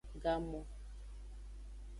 Gamon.